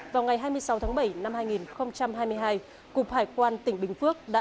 vào ngày hai mươi sáu tháng bảy năm hai nghìn hai mươi hai cục hải quan tỉnh bình phước đã